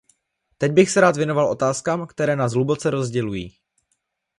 Teď bych se rád věnoval otázkám, které nás hluboce rozdělují.